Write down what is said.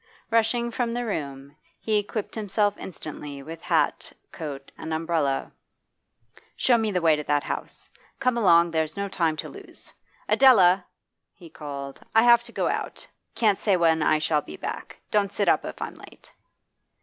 Rushing from the room, he equipped himself instantly with hat, coat, and umbrella. 'Show me the way to that house. Come along, there's no time to lose. Adela!' he called, 'I have to go out; can't say when I shall be back. Don't sit up if I'm late.